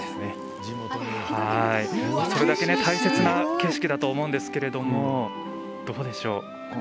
それだけ大切な景色だと思うんですけどもどうでしょう。